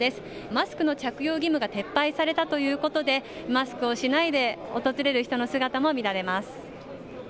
マスクの着用義務が撤廃されたということで、マスクをしないで訪れる人の姿も見られます。